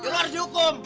lo harus dihukum